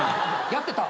やってた？